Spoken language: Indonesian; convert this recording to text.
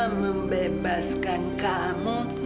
mama membebaskan kamu